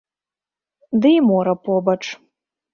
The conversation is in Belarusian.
Ды і мора побач.